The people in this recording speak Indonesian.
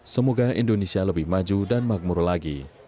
semoga indonesia lebih maju dan makmur lagi